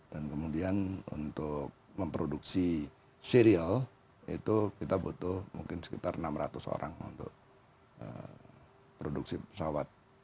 dan kemudian untuk memproduksi serial itu kita butuh mungkin sekitar enam ratus orang untuk produksi pesawat